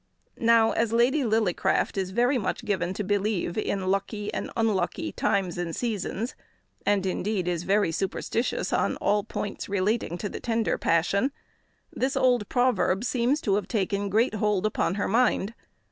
Now, as Lady Lillycraft is very much given to believe in lucky and unlucky times and seasons, and indeed is very superstitious on all points relating to the tender passion, this old proverb seems to have taken great hold upon her mind.